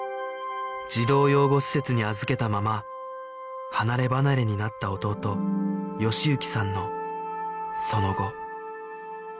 児童養護施設に預けたまま離ればなれになった弟喜之さんのその後